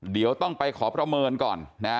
เดี๋ยวต้องไปขอประเมินก่อนนะ